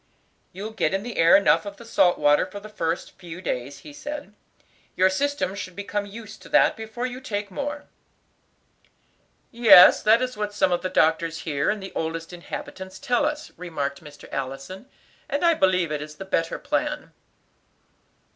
"You get in the air enough of the salt water for the first few days," he said. "Your system should become used to that before you take more." "Yes, that is what some of the doctors here, and the oldest inhabitants, tell us," remarked Mr. Allison, "and I believe it is the better plan."